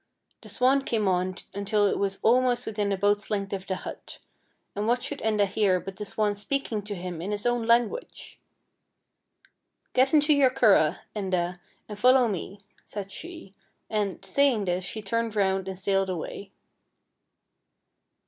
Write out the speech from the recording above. The swan came on until it was al most within a boat's length of the hut; and what should Enda hear but the swan speaking to him in his own language :" Get into your curragh, Enda, and follow me," said she, and, saying this, she turned round and sailed away.